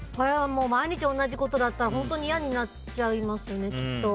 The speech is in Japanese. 毎日同じことだったら本当に嫌になっちゃいますね